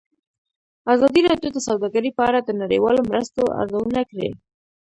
ازادي راډیو د سوداګري په اړه د نړیوالو مرستو ارزونه کړې.